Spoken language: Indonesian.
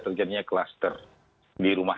terjadinya klaster di rumah